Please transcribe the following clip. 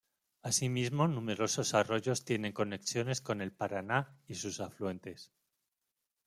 Asimismo numerosos arroyos tienen conexiones con el Paraná y sus afluentes.